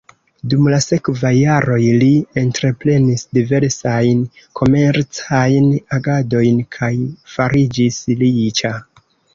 Dum la sekvaj jaroj li entreprenis diversajn komercajn agadojn kaj fariĝis riĉa.